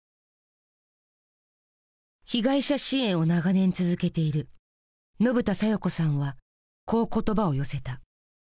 被害者支援を長年続けている信田さよ子さんはこう言葉を寄せた。